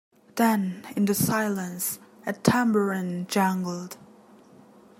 Then, in the silence, a tambourine jangled.